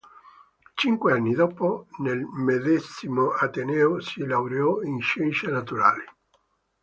Cinque anni dopo, nel medesimo ateneo si laureò in scienze naturali.